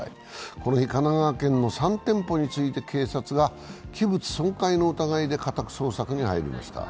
この日、神奈川県の３店舗について警察が器物損壊の疑いで家宅捜索に入りました。